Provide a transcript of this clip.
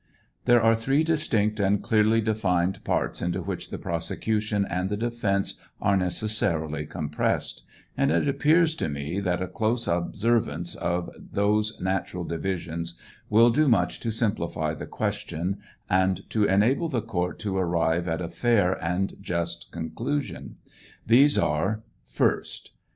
There are three distinct and clearly defined parts into which the prosecutior and the defence are necessarily compressed; and it appears to me that a close observance of those natural divisions will do much to simplify the question and to enable the court to arrive at a fair and just conclusion. These are : 1st.